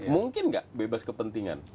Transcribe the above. mungkin enggak bebas kepentingan